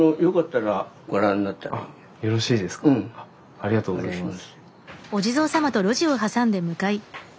ありがとうございます。